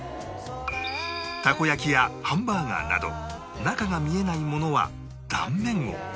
たこ焼きやハンバーガーなど中が見えないものは断面を